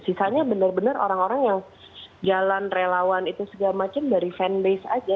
sisanya benar benar orang orang yang jalan relawan itu segala macam dari fanbase aja